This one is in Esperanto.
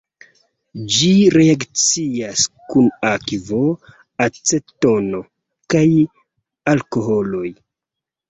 Ĝi reakcias kun akvo, acetono kaj alkoholoj.